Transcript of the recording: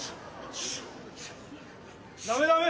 ダメダメ！